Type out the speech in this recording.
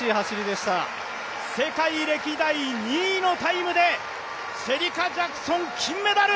世界歴代２位のタイムでシェリカ・ジャクソン金メダル。